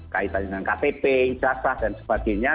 kaitannya dengan ktp ijazah dan sebagainya